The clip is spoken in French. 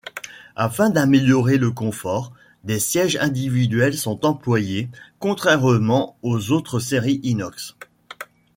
Afin d'améliorer le confort, des sièges individuels sont employés, contrairement aux autres séries inox.